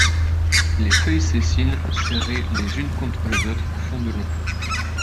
Les feuilles sessiles serrées les unes contre les autres font de long.